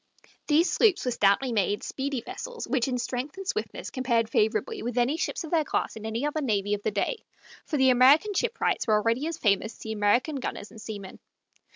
These sloops were stoutly made, speedy vessels which in strength and swiftness compared favorably with any ships of their class in any other navy of the day, for the American shipwrights were already as famous as the American gunners and seamen.